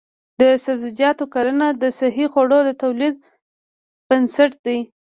د سبزیجاتو کرنه د صحي خوړو د تولید بنسټ دی.